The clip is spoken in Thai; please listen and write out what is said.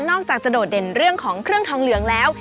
อกจากจะโดดเด่นเรื่องของเครื่องทองเหลืองแล้ว